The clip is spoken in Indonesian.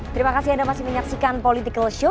terima kasih sudah menyaksikan political show